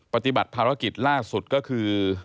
ปฏิบัติภารกิจล่าสุดก็คือ